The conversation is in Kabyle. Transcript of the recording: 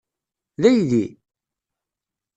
D aydi?